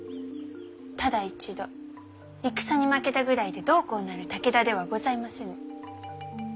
ただ一度戦に負けたぐらいでどうこうなる武田ではございませぬ。